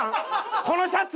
このシャツ！？